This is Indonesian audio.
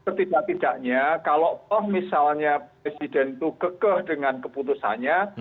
setidak tidaknya kalau misalnya presiden itu gegeh dengan keputusannya